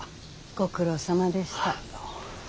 ご苦労さまでした。